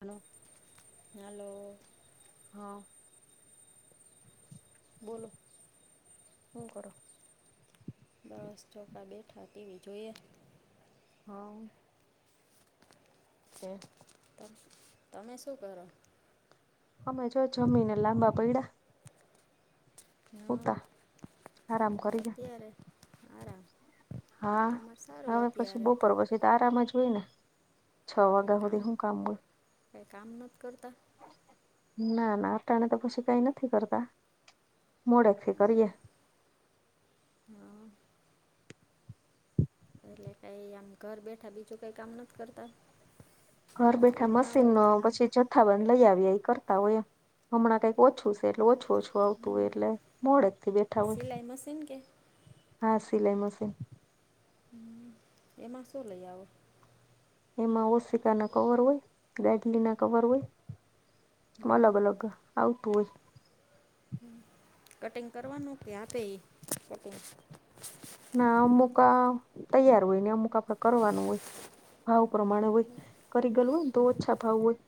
Hello hello હા બોલો હું કરો દસ ચોખા બેઠાતીવી જોઈએ. હા છે. ત તમે શું કરો અમે જો જમીને લાંબા પૈડા હા ઉટ આરામ કરી જા આરા હા હવે પછી બપો પછી તો આરામ જ હોય ને છ વાગાઓ તે હું કામ કંઈ કામ નથી કરતા ના ના અટાણે તો પછી કઈ નથી કરતા મોડેક થી હા કરીએ હા એટલે કઈ આમ ઘર બેઠા બીજું કંઈ કામ નથી કરતા. ઘર બેઠા એવું ના મશીન હોય ન તમારે પછી જથ્થાબંધ લઈ આવએ એ કરતા હોય હમણાં કંઈક ઓછું છે એટલે ઓછું આવતું હોય એટલે મોડેક થી બેઠા હોય. ટાઈમસીન કે હા સિલાઈ મશીન હ એમાં શું લઈ આવો એમાં ઓશિકા ના કવર હોય ગાઢલી ના કવર હોય. હા અલગ અલગ આવતું હોય. કટિંગ કરવાનું કે આપે એ કટિંગ ના અમુક તૈયાર હોય ને અમુક આપડે કરવાનું હોય. ભાવ પ્રમાણે હોય કરી ગયલું હોય ને તો ઓછા ભાવ હોય.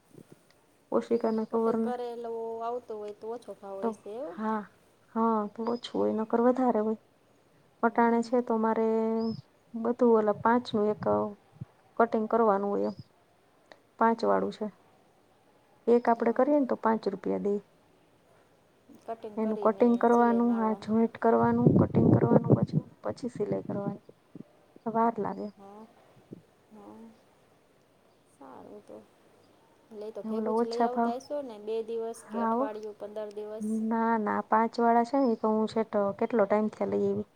પો શીિકના કટિંગ કરેલો આવતો હોય તો ઓછો તો ખાવય છેવ હા હા તો ઓછું હોય નકર વધારે હોય વટાણે હમ છે તો મારે બધું ઓલ પાંચ નું એક આવ કટિંગ કરવાનું એમ પાંચ હમ વાળું છે એક આપડે હા કરીએ ને તો પાંચ રૂપિયા દઈ કટિંગ એનું કરીને કટિંગ સિલાઈ કરવાનું આ મારવાની જોઈન્ટ કરવાનું કટિંગ કરવાનું પછી પછી સિલાઈ કરવાની વાર લાગે હા હા સારું તો લ તો ઓલો ભેગું જ લઈ ઓછા ભાવ આવતા હશો ને બે દિવસ દસ કે હા હો અઠવાિયું પંદર દિવસ ના ના પાંચ વાળા છે ને તો હું છે તો કેટલો ટાઈઇમથીં લઈ આવીવી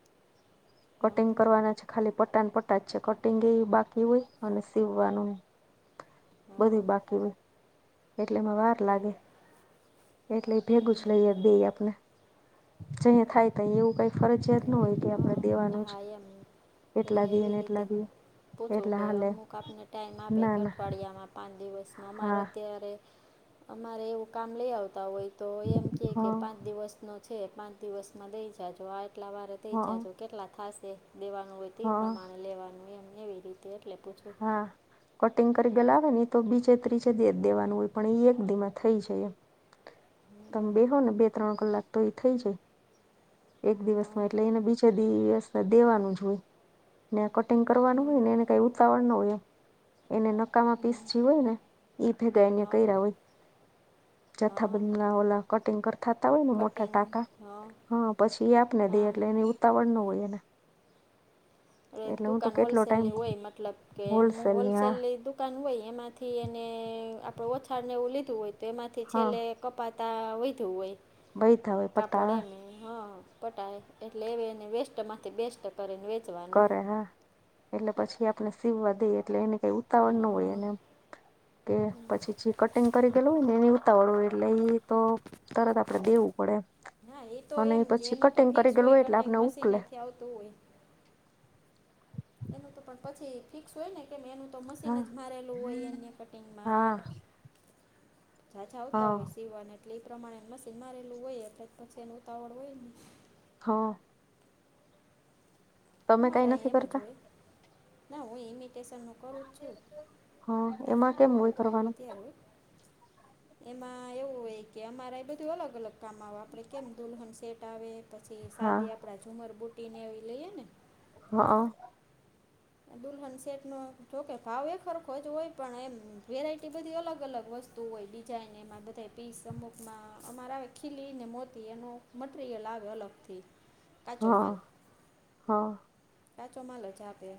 કટિંગ હા કરવાના છે ખાલી પટાન પટાજ છે કટિંગ એ બાકી હોય અને સીવવાનું [inaudible] હા બધું બાકી હો એટલે એમાં વાર લાગે એવું કેટલે ભેગું જ હમ લઈએ દઈ આપને જ થાય ત એવું કઈ ફરજિયાત ન હોય કે આપડે હા દેવાનું જ હા એમ એટલા એટલે દઈએ ને એવી રીતે એટલા દઈએ પૂછવું એટલા કે હાલે અમુક આપને ટાઈમ આપે ના કે ના અઠવાડિયામાં પાંચ દિવસમાં અમારે હા અત્યારે અમારે એવું કામ લઈ આવતા હોય તો એમ કે કે હા પાંચ દિવસનોો છે પાંચ દિવસમાં દઈ જજ આ એટલા વાર હા જાજો કેટલા થશે દેવાનું હોય તે હા પ્રમાણે લેવાનું હોય એમ એવી રીતે એટલે પૂછવ હા કટિંગ કરી ગલાવે ને તો બીચે ત્રીજે દ દેવાનું હોય પણ એ એક ધીમા થઈ જાય એમ તમે બેહો ને બે ત્રણ કલાક તો એ થઈ જાય એક હં દિવસમાં એટલે એને બીજા દિવસ દેવાનું જ હોય ને કટિંગ કરવાનું હં હોય ને એ કઈ ઉતાવર ન હોય એને નકામાં પીસ હં જે હોય ને ઈ ભેગા એને હં કર્યા હોય હં જથ્થાબંધ ના ઓલા કટિંગ કરતાતા હોય ને મોટા કટિંગ ટાકા હં હા પછી એ આપને દે એટલે એની ઉતાવર નું હોય એને એટલે હું તો દુકાન કેટલો ટાઈમ હોલસેલની હોય મતલબ કે હું હોલસેલની આ હોલસેલ દુકાન હોય એમાંથી એને આપણે ઓછાળને એવું લીધું હોય તો એમાંથી હા છેલ્લે કપાતા વધધું હોય બહી થવા કાપોડ એમ હ પટાય એટલે એ એને વેસ્ટ માંથી બેસ્ટ કરીને વેચવાની કરે હા એટલે પછી આપણે સીવવા દઈએ એટલે એને કઈ ઉતાવળ ન હોય હં એને એમ કે પછી જે કટિંગ કરી ગયેલું હોય ને એની ઉતાવળું એટલે એ તો તરત આપડે દેવું પડે ના એ એમ તો અને કે પછી એનું તો કટિંગ કરી ફિક્સ ગયેલું હોય એટલે કટિંગ આપણે ઉકલે મશીનેથી આવતું હોય એનું તો પણ પછી ફિક્સ હોય ને કેમ એનું તો મશીન હા જ મારેલું હોય એને ટંગ હા સાછા આવતા હા હોય સીવાને એટલે એ પ્રમાણે મશીન માં રહેલું હોય એટલે પછી એનું ઉતાવળ હોય ને હા તમે કઈ અમારેહી નથી એમ જો કરતા હોય ના હું એમી સ્ટેશનનું કરું જ છું હા એમાં કેમ હોય થોડું થોડું કરવાનું અત્યારે એમાં એવું હોય કે અમારા એ બધું અલગ અલગ કામ આવે આપડે કેમ દુલ્હન સેટ આવે પછી હા સાદી આપડા ઝુમર બુટી ને એવી લઈએે ને હા દુલ્હન સેટનો જોકે ભાવ એ ખરખો જ હોય પણ એમ વેરાયટી બધી અલગ અલગ વસ્તુ તું હોય ડિઝાઇન એમાં બધા પીસ અમુકમાં અમારે આવે ખીલી ને મોતી એનો મટ એ લગ અ લગથી કાચો હા માલ હા કાચો માલ જ આપે.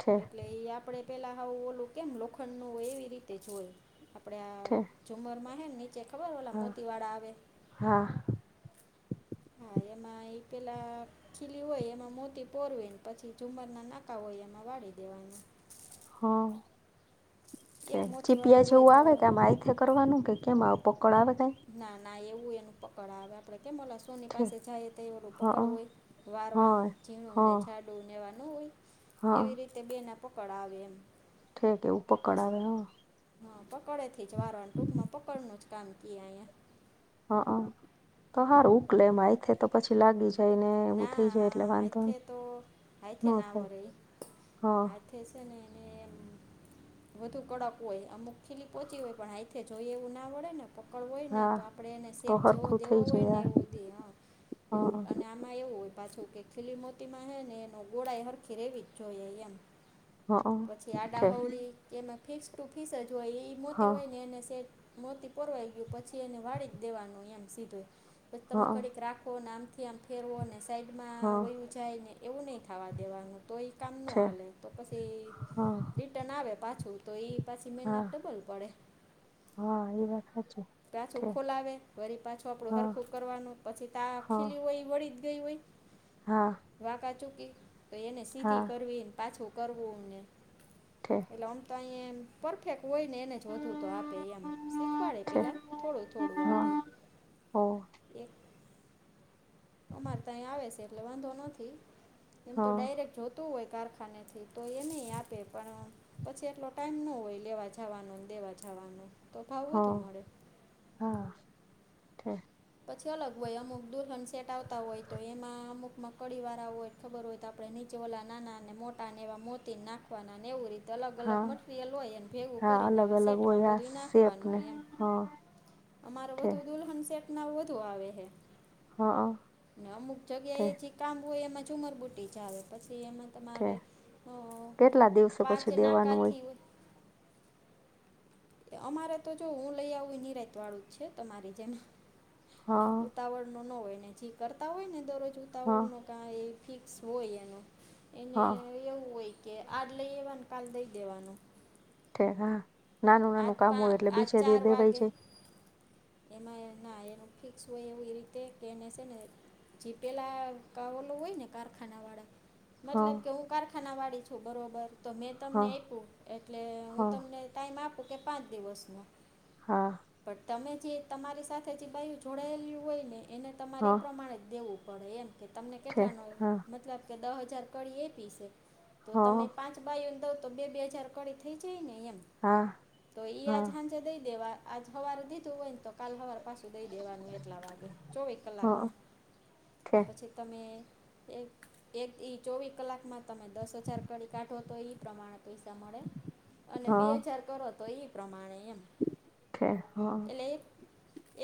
છે એટલે એ આપડે પેલા હું ઓોલું કેમ લોખંડ નું હોય એવી રીતે જ હોય આપડે આ છે ઝુમર માં હે નીચે ખબર ઓલા હા મોતીવાડા આવે. હા હા એમાં એ પેલા ખીલી હોય એમાં મોતી પોરવે પછી ઝુમર ના ના પાકા હોય એમાં વાળી દેવાની. હ એક મોતીવાળું ચીપિયા હોય જેવું તો આવે કે આ મા. એ કરવાનું કે કે મા આવ પકડ આવે ક ના ના એવું એનું પકડ આવે આપડે કેમલાસ. ની છે પાસે જાય તહેવરું પકડ હા હોય હા વારવાનું ઝીણું ને હા જાડું નેવા ન હોય. હા એવી રીતે બેને પકડ આવે એમ. ઠેક એવું પકડ બસ આવે હા. હા પકડે થી જ વારવા ટૂંક માં પકડનું જ કામ કએ અહીયા. હા તો સારું ઉકલે એમાં એથે તો પછી લાગી જ. ના હથે તો હાઈથે ના હોો થાય રહી હા હ. થ છે ને. વધુ કડક હોય અમુક ખીલી પોહોંચી હોય પણ આઈથે જોઈ એવું ના વડે ને પકડ હોય ને હા તો આપણે એને તો સેફ જેવો હરખું દેવો થઈ હોય ને જાય એવું દી હ. હા આમાં એવું હોય પાછું કે ખીલી મોતીમાં હ ને એનો ગોળ એ સરરખી રેવી જ જોઈએ એમ. પછી અલગ આડાહડી કે ફિક્સ ટુ ફીસ જ હોય એ મોતી હોય ને એને સેટ મોતી પરરવાઈ ગયું પછી એને વાળી જ દેવાનું એમ સીધું પછી તમે ઘડીક રાખો અનેને આમ. થી આમ ફેરવો અને સાઈડમાં વયું જાય ને એવું નહીં થવા દેવાનું. તો એ કામ ન હાલે તો પછી રિટર્ન આવે પાછું. તો એ પાછી મિનાર તો ભલ પડે. પાછું ખોલાવે વરી પાછું આપણું હરખું કરવાનું પછી તા વ વળીિત ગઈ વ હા. વાકા ચૂકી તો એને સીધી કરવીને પાછું કરવું એમને. ઓઠ. એટલે આમ તો અહીંયા એ પરફેક્ટ હોય ને એને જ વધુ તો આપે એમ શીખવાડે પેલા થોડું થોડું આપે એક. અમારે તં આવે છે એટલે વાંધો નથી એમ તો ડાયરેક્ટ જો હોય કારખાને થી તો એ નહી આપે પણ પછી એટલો ટાઈમ ન હોય લેવા જવાનોને દેવા જવાનો તો ભાવ વધુ મળે. હા. પછી અલગ હોય અમુક દુલહન સેટ આવતા હોય તો એમાં અમુક મકડીી વાળા હોય. ખબર હોય તો આપડે નીચે ઓળલા નાના અને મોટા ને એવા મોતી નાખવાનાને એવું રીતે. અલગ અલગ મટરિયલ હોય એને ભેગું કરીને એવા સેટમાં બધું નાખવાનું એમ. હા. અમારે વધુ દુલ્હન સેટ ના વધુ આવે છે. હ અમુક જગ્યા ઠે એ જે કામ હોય એમાં જ ઉમરબુ્ટટી ચાલે પછી એમાં ઠે તમારે કેટલા દિવસો પાંચ પછી દેવાનું હોય નાકાથીય. અમારે તો જો હું લઈ આવું નિનીરાત વાળું જ છે તમારી જેમ હા ઉતાવળ નો ના હોય ને જી કરતા હોય ને દરરોજ હા. કાં એ ફિક્સ હોય એનું એને હા એવું હોય. કે આજ લઈ એવાનું કાલ દઈ દેવાનું. ઠેક હા નાનું આજ નાનું કામ પા હોય એટલે બીચે દ દેવાય જાય. એમાંયના એનો ફિક્સ હોય એવું એ રીતે કેને છે ને. જીપેલા કાવલો હોય ને કારખાના વાળા હા મતલબ કે હું કારખાના વાળી છું બરોબર તો મેં તમને હા આપ્યું એટલે હું હા તમને ટાઈમ આપ કે પાંચ દિવસનો હા. પણ તમે જે તમારી સાથે જે બાઈયુ જોડાયેલું હોય ને એને તમારે એ હા પ્રમાણે જ દેવું પડે એમ કે તમને ઠે કેટલાનો હા મતલબ મે દ હજાર કરી એ પીસે તો હ તમે હા પાંચ બાઈ દઉ તો બે બે હજાર કડી થઈ જાય ને એમ. હા. તો ઈ આજ હાજે દઈ દેવા આજ હવારે દીધું હોય ને તો કાલ હવાર પાછું દઈ દેવાનું એટલા વાગે. ચોવીસ હા કલાકમાં ઠે પછી તમે એક એક ઈ ચોવીસ કલાકમાં તમે દસ હજાર કરી કાઢો તો એ પ્રમાણે પૈસા મળે. અને બે હા હજાર કરો તો એ પ્રમાણે એમ. ઓકે હા. પ્લે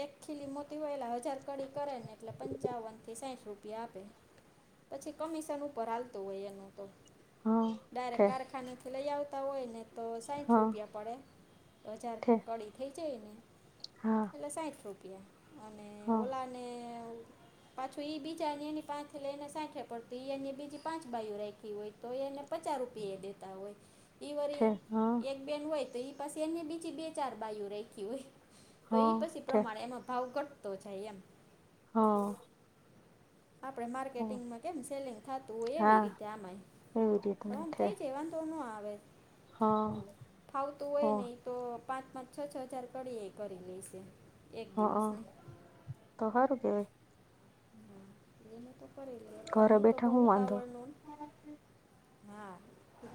એક ખીલી મોતીવાયેલા હજાર કડી કરે ને એટલે પંચાવન થી સાહિઠ રૂપિયા આપે. પછી કમિશન ઉપર હાલતું હોય એનું તો. હા ડાયરેક ઠે કારખાને થી લઈ આવતા હોય ને તો સાહિઠ હા રૂપિયા પડે. હજાર ઠે કડી થઇ જાય ને હા. એટલે સાહિઠ રૂપિયા અને હા ઓલાને પાછું એ બીજા અને એની પાહિથી લઈને સાહીઠે પડતું અને બીજી પાંચ બાાયુ રાખી હોય. તો એને પચાસ રૂપિયા એ દેતા હોય. એઈ ઠે વરી હા એક બેન હોય તો એ પાસે એને બીજી બે ચાર બાઈઓ રાખી હોય. તો એ હા પછી ઠે પ્રમાણે એમાં ભાવ ઘટતો જાય એમ. હા. આપડે માર્કેટિંગમાં કેમ સેલિંગ થતું હોય એવી રીતે આમાંય. હમ્મ એ જ હમ્મ થઈ જાય વાંધો નો આવે. હા. કઈ હા હા નહી તો પાંચ પાંચ છ છ હજાર કરીએ કરી લેશે. એક હ અ દિવસની તો હારું કેવાય. હ એને તો કરી લે પણ ઘરે હું તો બેઠા બહુ વાંધો ઉતાવળ નો હા.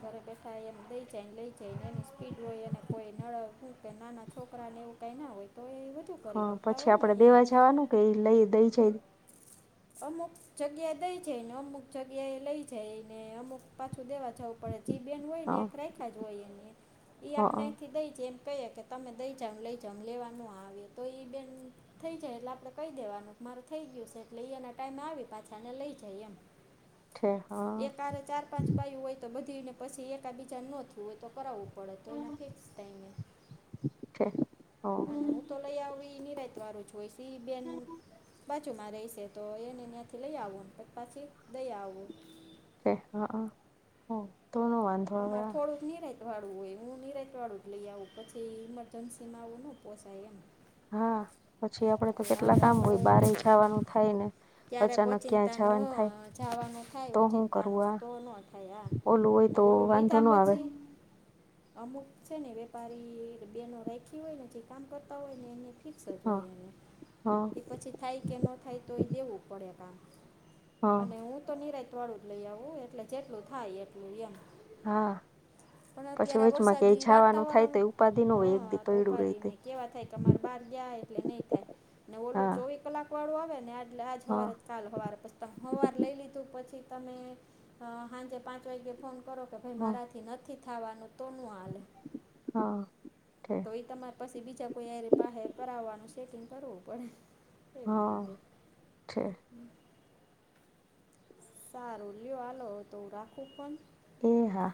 ઘરે બેઠા એમ દઈ જાય ને લઈ જાય એની સ્પીડ હોયને કોઈ નડ કે નાના છોકરાને એવું કંઈ ના હોય તો એ વધુ કરી હા શકતા પછી હોય ને આપડે એમ દેવા જવાનું કે લઈ દઈ જાય. [unintelligible] અમુક જગ્યા દઈ જાયને અમુક જગ્યા એ લઈ જાયને અમુક પાછું દેવા જાવું પણ જી બહેન હોય ને હા એક રાખા જ હોય એને એ આપણે હા અહીંથી દઈ જાય કહી કે તમે દઈ જાવ લઈ જાવ લેવાનું આવે તો એઈ બેન થઈ જાય એટલે આપડે કઈ દેવાનું મારો થઈ ગયું છે એટલે એના ટાઈમે આવી પાછાને લઈ જાય એમ ઠે હા એક હારે ચાર પાંચ બાાયું હોય તો બધીને પછી એકાબીજા નો ધુવે તો કરાવું. પડે તો એ નથી ટાઈમે ઠે હ હું તો લઈ આવ એ નિરાત વાળુ જ હોય છે ઈ બેન બાજુમાં રહીશે તો એને ત્યાંથી લઈ આવુંને પાછી દઈ આવું. હા હા તોનું વાંધ અમાર થોડુંક નિરાત વાળું હોય હું નિરાત વાળું જ લઈ આવું પછી ઇમરજન્સીમાં આવું ના પોછાય એમ. હા. પછી આપડે તો કે કેટલા હાલો કામ આપણે હોય બારે જવાનું થાય ને ક્યારેક અચાનક ક્યાં ઓચિંતાનું જવાનું થાય અ, જવાનું તો ખાય હું ચિંતા ન કરવું આ તો ન ખાય ઓલું હોય આ તો ઓલું વાંધો લીધા ન આવે પછી અમુક છે ને વેપારી બેનો રાખી હોય જે કામ કરતા હોય ને એ ઠીક તો હા ભૈયા ને હા પછી થાય કે ન થાય તો એ દેવું પડે કામ હા અને હું તો નિરા ઠોડું જ લઈ આવવું એટલે જેટલું થાય એટલું એમ હા પણ પછી અત્યારે આ વેચમાં કે એ વરસાદી જવાનું થાય વાતાવરણ તો એ ઉપાધિ ન હોય એક દી હા તો પૈડું ઉપાધિ રહી ને કેવા થાય કે અમારે બહાર ગયા એટલે નહીં થાય અને ઓલું હા ચોવીસ કલાકવાળું આવે ને આટલે આ જ હા સવારે કાલ હોવાર પછી હોવાર લઈ લીધું પછી તમે સાંજે પાંચ વાગ્યે ફોન કરો કે ભાઈ હા મારાથી નથી થવાનું તોનું હલે હા તમારે પછી બીજા કોઈ કરાવવાનું સેટિંગ કરવું પડે એવી હા રીતે છે સારું લિ હાલો તો હું રાખું પણ એ હા